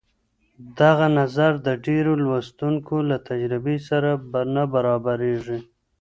دغه نظر د ډېرو لوستونکو له تجربې سره نه برابرېږي.